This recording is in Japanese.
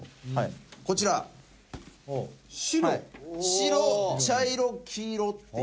白茶色黄色っていう。